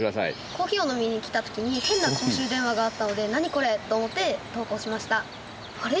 コーヒーを飲みに来た時に変な公衆電話があったので「ナニコレ？」と思って投稿しました。